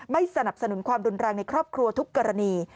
ไม่สนับสนุนความรุนแรงในครอบครัวทุกกรณี